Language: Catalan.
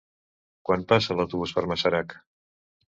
Quan passa l'autobús per Masarac?